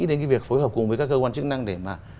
đến cái việc phối hợp cùng với các cơ quan chức năng để mà